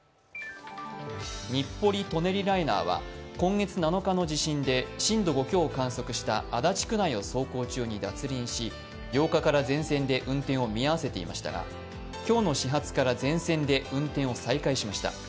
日暮里・舎人ライナーは今月７日の地震で、震度５強を観測した足立区内を走行中に脱輪し、８日から、全線で運転を見合わせていましたが今日の始発から全線で運転を再開しました。